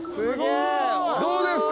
どうですか？